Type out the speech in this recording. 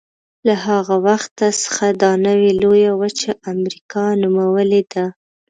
له هغه وخت څخه دا نوې لویه وچه امریکا نومولې ده.